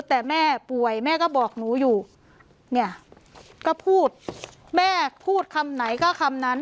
แต่แม่ป่วยแม่ก็บอกหนูอยู่เนี่ยก็พูดแม่พูดคำไหนก็คำนั้น